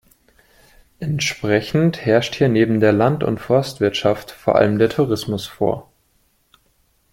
Entsprechend herrscht hier neben der Land- und Forstwirtschaft vor allem der Tourismus vor.